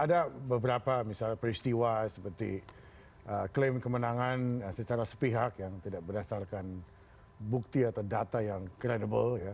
ada beberapa misalnya peristiwa seperti klaim kemenangan secara sepihak yang tidak berdasarkan bukti atau data yang kredibel ya